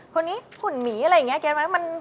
คนนี้ขุ่นหมีอะไรอย่างนี้เก็บไว้